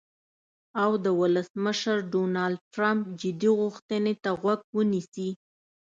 او د ولسمشر ډونالډ ټرمپ "جدي غوښتنې" ته غوږ ونیسي.